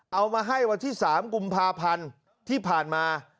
เอามาให้วันที่๓กุมภาพันธ์ที่ผ่านมา